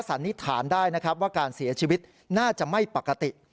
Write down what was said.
สันนิษฐานได้นะครับว่าการเสียชีวิตน่าจะไม่ปกติ